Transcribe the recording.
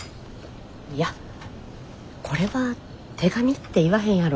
いやこれは手紙って言わへんやろ。